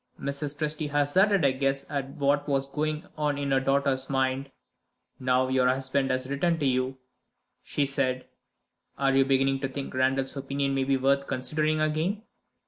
Mrs. Presty hazarded a guess at what was going on in her daughter's mind. "Now your husband has written to you," she said, "are you beginning to think Randal's opinion may be worth considering again?"